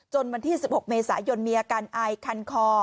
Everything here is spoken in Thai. วันที่๑๖เมษายนมีอาการอายคันคอ